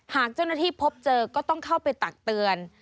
หากเจ้าหน้าที่พบเจอก็ต้องเข้าไปตักเตือน